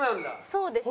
そうですね。